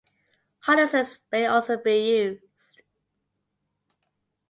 Harnesses may also be used.